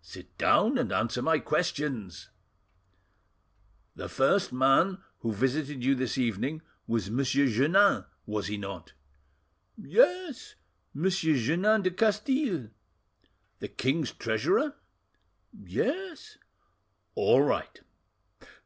"Sit down, and answer my questions." "The first man who visited you this evening was M. Jeannin, was he not?" "Yes, M. Jeannin de Castille." "The king's treasurer?" "Yes." "All right.